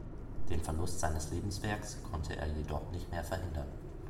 Den Verlust seines Lebenswerks konnte er jedoch nicht mehr verhindern.